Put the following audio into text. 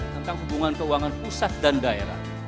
tentang hubungan keuangan pusat dan daerah